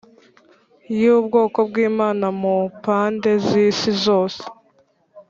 yubwoko bwimana mupande zisi zose